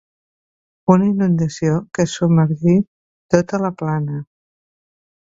Una inundació que submergí tota la plana.